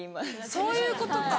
そういうことか。